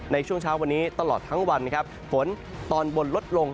ในช่วงเช้าตลอดทั้งวันฝนตอนบนลดลง